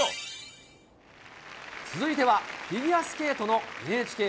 続いてはフィギュアスケートのＮＨＫ杯。